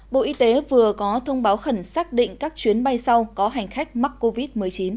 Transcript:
bộ y tế vừa có thông báo khẩn xác định các chuyến bay sau có hành khách mắc covid một mươi chín